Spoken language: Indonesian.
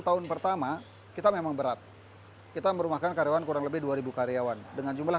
tahun pertama kita memang berat kita merumahkan karyawan kurang lebih dua ribu karyawan dengan jumlah